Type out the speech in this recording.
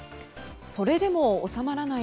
それでも収まらない